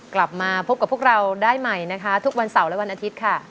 กลับมาพบกับพวกเราได้ใหม่นะคะทุกวันเสาร์และวันอาทิตย์ค่ะ